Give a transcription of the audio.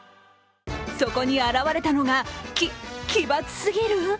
そこに現れたのが、き奇抜すぎる！